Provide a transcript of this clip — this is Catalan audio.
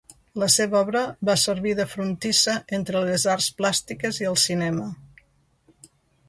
La seva obra va servir de frontissa entre les arts plàstiques i el cinema.